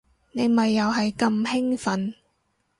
你咪又係咁興奮